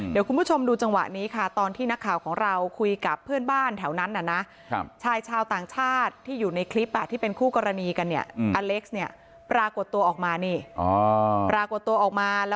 เดี๋ยวคุณผู้ชมดูจังหวะนี้ค่ะ